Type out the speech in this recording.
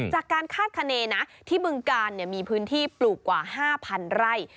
จากการคาดคณีที่เมืองกาลมีพื้นที่ปลูกกว่า๕๐๐๐ไร่